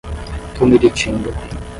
Tumiritinga